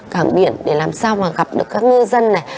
cảng biển để làm sao mà gặp được các ngư dân này